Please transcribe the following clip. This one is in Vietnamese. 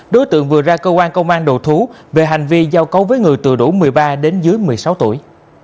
đối tượng vừa ra cơ quan công an đầu thú về hành vi giao cấu với người từ đủ một mươi ba đến dưới một mươi sáu tuổi